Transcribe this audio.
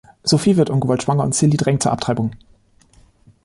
Sophie wird ungewollt schwanger, und Cilly drängt zur Abtreibung.